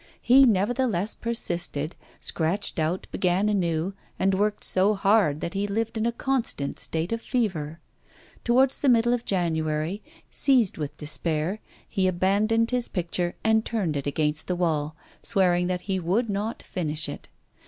He, nevertheless, persisted, scratched out, began anew, and worked so hard that he lived in a constant state of fever. Towards the middle of January, seized with despair, he abandoned his picture and turned it against the wall, swearing that he would not finish it.